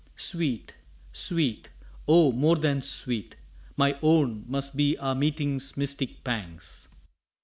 Sweet, sweet, oh, more than sweet, My own, must be our meeting's mystic pangs.